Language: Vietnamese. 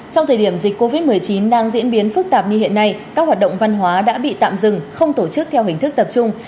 trong thời điểm dịch covid một mươi chín đang diễn biến phức tạp như hiện nay các hoạt động văn hóa đã bị tạm dừng không tổ chức theo hình thức tập trung